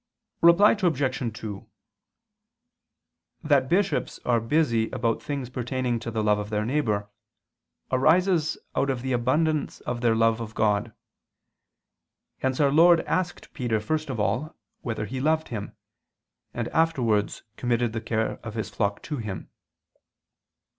Reply Obj. 2: That bishops are busy about things pertaining to the love of their neighbor, arises out of the abundance of their love of God. Hence our Lord asked Peter first of all whether he loved Him, and afterwards committed the care of His flock to him.